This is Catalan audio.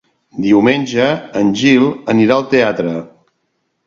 Diumenge en Gil anirà al teatre.